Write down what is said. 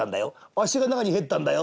あっしが中に入ったんだよ。